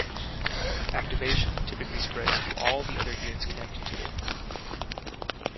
Activation typically spreads to all the other units connected to it.